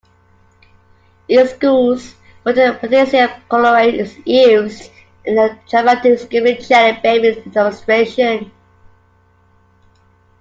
In schools, molten potassium chlorate is used in the dramatic screaming jelly babies demonstration.